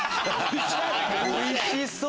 ⁉おいしそう！